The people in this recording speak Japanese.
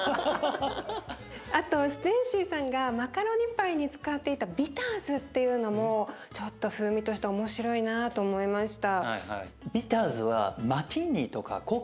あとステーシーさんがマカロニパイに使っていたビターズっていうのもちょっと風味として面白いなと思いました。